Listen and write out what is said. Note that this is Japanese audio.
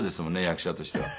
役者としては。